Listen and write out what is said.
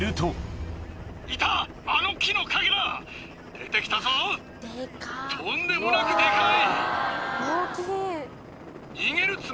出てきたぞとんでもなくデカい！